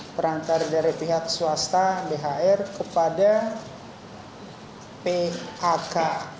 perantar dari pihak swasta bhr kepada pak